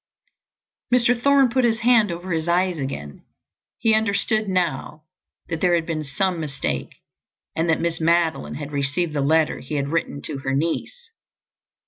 Mr. Thorne put his hand over his eyes again. He understood now that there had been some mistake and that Miss Madeline had received the letter he had written to her niece.